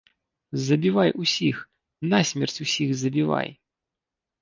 Забівай усіх, насмерць усіх забівай!